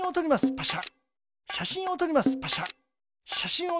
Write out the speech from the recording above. パシャ。